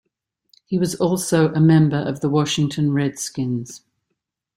He was also a member of the Washington Redskins.